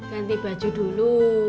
ganti baju dulu